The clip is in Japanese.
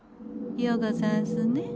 ようござんすね？